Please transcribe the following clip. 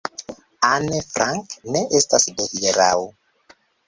Anne Frank ne estas de hieraŭ.